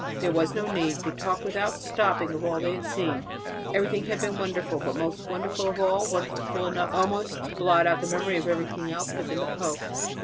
There was no need, they talked without stopping of all they had seen. Everything had been wonderful, but most wonderful of all wonderful enough almost to blot out the memory of everything else had been the pope.